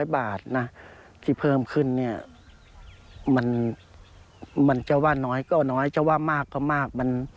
๐บาทนะที่เพิ่มขึ้นเนี่ยมันจะว่าน้อยก็น้อยจะว่ามากก็มาก